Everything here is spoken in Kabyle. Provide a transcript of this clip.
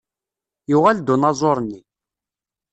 Yuɣal-d unaẓuṛ-nni.